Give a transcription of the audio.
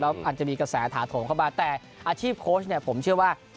อาจจะมีกระแสถาโถมเข้ามาแต่อาชีพโค้ชเนี่ยผมเชื่อว่า